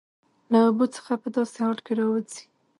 له اوبو څخه په داسې حال کې راوځي